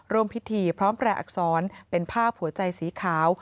ร่วมพิธีพร้อมแปลอักษรเป็นภาพหัวใจสีขาว